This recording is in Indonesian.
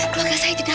keluarga saya di dalam